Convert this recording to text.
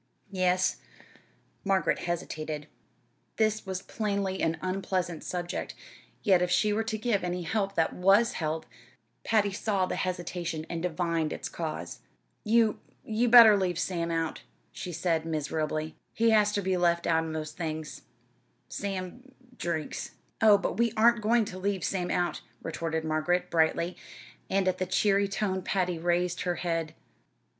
"Yes." Margaret hesitated. This was plainly an unpleasant subject, yet if she were to give any help that was help Patty saw the hesitation, and divined its cause. "You you better leave Sam out," she said miserably. "He has ter be left out o' most things. Sam drinks." "Oh, but we aren't going to leave Sam out," retorted Margaret, brightly; and at the cheery tone Patty raised her head.